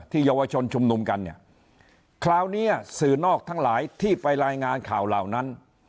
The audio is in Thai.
เยาวชนชุมนุมกันเนี่ยคราวนี้สื่อนอกทั้งหลายที่ไปรายงานข่าวเหล่านั้น